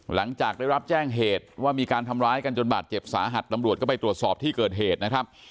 หลังจากได้รับแจ้งเหตุว่ามีการทำร้ายกันจนบาดเจ็บสาหัสตำรวจก็ไปตรวจสอบที่เกิดเหตุนะครับ